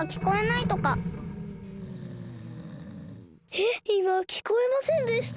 えっいまきこえませんでした？